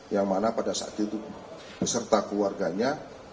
yang mana pada saat itu beserta keluarganya